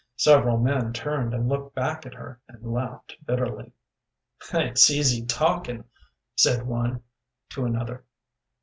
Several men turned and looked back at her and laughed bitterly. "It's easy talking," said one to another.